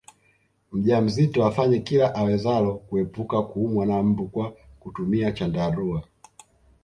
Mjamzito afanye kila awezalo kuepuka kuumwa na mbu kwa kutumia chandarua